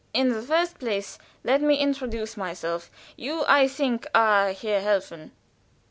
In the first place let me introduce myself; you, I think, are Herr Helfen?"